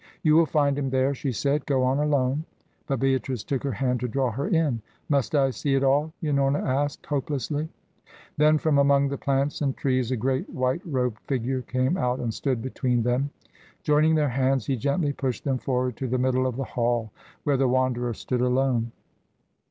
"You will find him there," she said. "Go on alone." But Beatrice took her hand to draw her in. "Must I see it all?" Unorna asked, hopelessly. Then from among the plants and trees a great white robed figure came out and stood between them. Joining their hands he gently pushed them forward to the middle of the hall where the Wanderer stood alone.